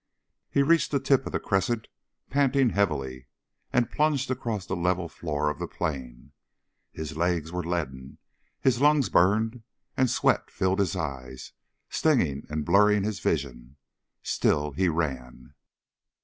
He reached the tip of the crescent panting heavily and plunged across the level floor of the plain. His legs were leaden, his lungs burned and sweat filled his eyes, stinging and blurring his vision. Still he ran.